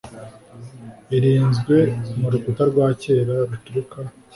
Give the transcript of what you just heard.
Irinzwe mu rukuta rwa kera rutukura